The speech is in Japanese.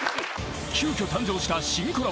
［急きょ誕生した新コラボ。